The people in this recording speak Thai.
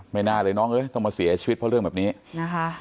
ไม่น่าเลยน้องเอ้ยต้องมาเสียชีวิตเพราะเรื่องแบบนี้นะคะ